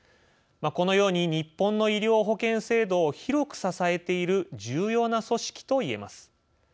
このように日本の医療保険制度を広く支えている重要な組織といえます。